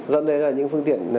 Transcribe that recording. dẫn đến là những phương tiện